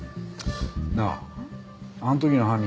なああの時の犯人